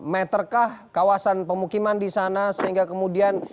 meterkah kawasan pemukiman di sana sehingga kemudian